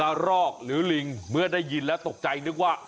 รอกหรือลิงเมื่อได้ยินแล้วตกใจนึกว่า